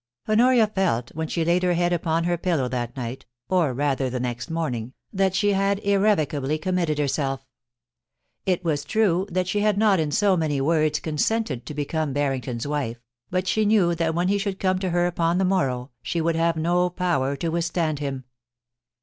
HoxORiA felt, when she laid her head upon her pillow that night, or rather the next morning, that she had irrevocably committed herself. It was true that she had not in so many words consented to become Barrington's wife, but she knew that when he should come to her upon the morrow she would have no power to withstand him.